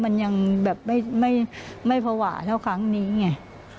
มันยังแบบไม่ภาวะเท่าครั้งนี้ไง